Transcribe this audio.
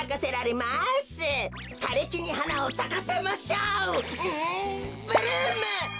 うんブルーム！